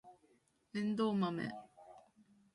エンドウマメ